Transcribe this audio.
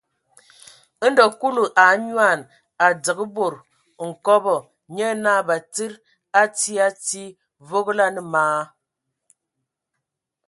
Ndɔ Kulu a anyoan, a dzǝgə bod nkobɔ, nye naa Batsidi a tii a tii, vogolanə ma a a.